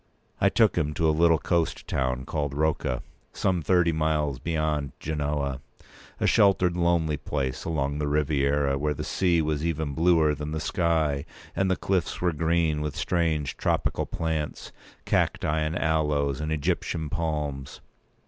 I took him to a little coast town called Rocca, some thirty miles beyond Genoa—a sheltered lonely place along the Riviera, where the sea was even bluer than the sky, and the cliffs were green with strange tropical plants, cacti, and aloes, and Egyptian palms.